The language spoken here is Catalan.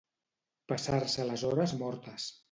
Passar-se les hores mortes.